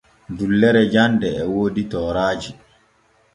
Dullere jande e woodi tooraaji.